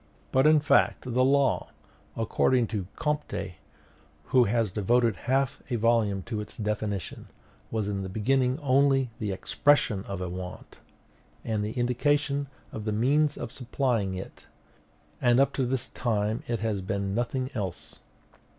But in fact, the law, according to M. Ch. Comte, who has devoted half a volume to its definition, was in the beginning only the EXPRESSION OF A WANT, and the indication of the means of supplying it; and up to this time it has been nothing else.